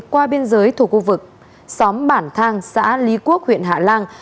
qua biên giới thuộc khu vực xóm bản thang xã lý quốc huyện hạ lan